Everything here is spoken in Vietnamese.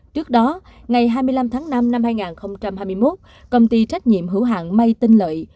trước đó ngày hai mươi năm tháng năm năm hai nghìn hai mươi một công ty trách nhiệm hữu hạng may tinh lợi